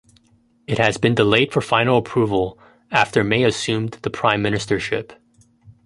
It has been delayed for final approval after May assumed the Prime Ministership.